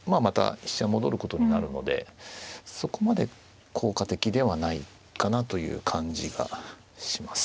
飛車戻ることになるのでそこまで効果的ではないかなという感じがします。